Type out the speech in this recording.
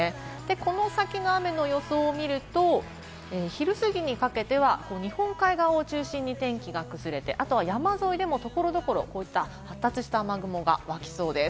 この先の雨の様子を見ると、昼すぎにかけては日本海側を中心に天気が崩れて、あとは山沿いでも所々こういった発達した雨雲が湧きそうです。